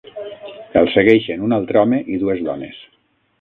El segueixen un altre home i dues dones.